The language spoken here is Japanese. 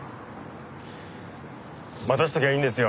待たしときゃいいんですよ。